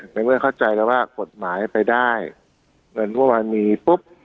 ในเมื่อเข้าใจแล้วว่ากฎหมายไปได้เงินเมื่อวานมีปุ๊บ